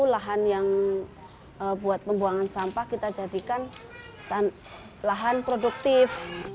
lahan yang buat pembuangan sampah kita jadikan lahan produktif